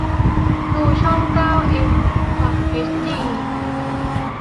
ดูช่องเก้าเอ็มคอตเอชดี